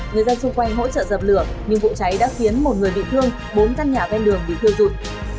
người dân xung quanh hỗ trợ dập lửa nhưng vụ cháy đã khiến một người bị thương bốn căn nhà bên đường bị thưa rụt